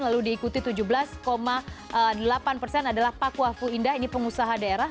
lalu diikuti tujuh belas delapan persen adalah pakuafu indah ini pengusaha daerah